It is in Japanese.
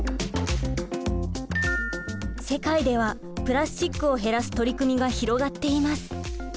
世界ではプラスチックを減らす取り組みが広がっています。